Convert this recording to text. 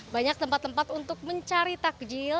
banyak tempat tempat untuk mencari takjil